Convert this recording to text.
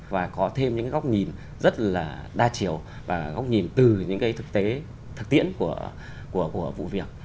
và có thêm những góc nhìn rất là đa chiều và góc nhìn từ những thực tiễn của vụ việc